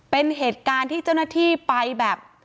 เป็นเหตุการณ์ที่เจ้าหน้าที่ไปแบบ